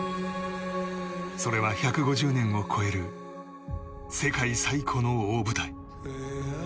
それは１５０年を超える世界最古の大舞台。